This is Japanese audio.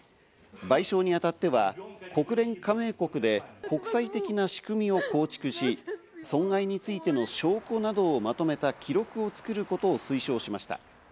賠償にあたっては国連加盟国で国際的な仕組みを構築し、損害についての証拠などをまとめた記録を作ることを推奨しました。